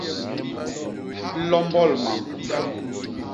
Lombol mam.